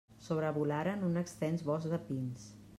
Sobrevolaren un extens bosc de pins.